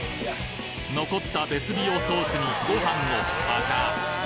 残ったベスビオソースにご飯をパカッ！